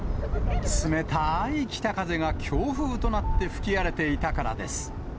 冷たい北風が強風となって吹き荒れていたからです。